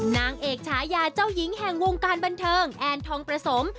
นางเอกฉายาเจ้าหญิงแห่งวงการบันเทิงแอนทองประสม